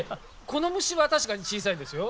この虫は確かに小さいですよ。